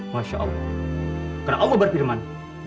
karena allah berfirman